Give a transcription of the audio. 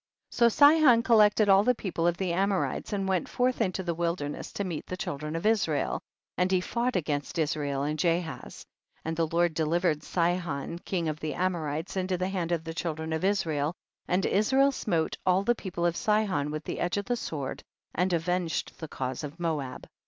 15. So Sihon collected all the people of the Amorites and went forth into the wilderness to meet the children of Israel, and he fought against Israel in Jahaz. 16. And the Lord delivered Sihon king of the Amorites into the hand of the children of Israel, and Israel smote all the people of Sihon with the edge of the sword and avenged the cause of Moab.